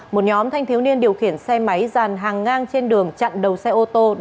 một nhóm thanh thiếu niên điều khiển xe máy dàn hàng ngang trên đường chặn đầu xe ô tô